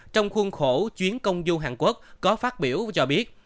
trong khuôn khổ chuyến công du hàn quốc có phát biểu cho biết